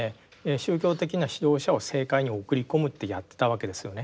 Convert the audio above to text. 宗教的な指導者を政界に送り込むってやってたわけですよね。